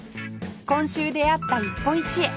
今週出会った一歩一会